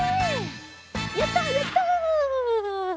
やったやった！